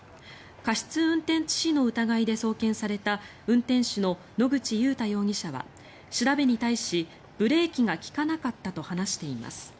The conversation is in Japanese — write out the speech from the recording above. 過失運転致死の疑いで送検された運転手の野口祐太容疑者は調べに対しブレーキが利かなかったと話しています。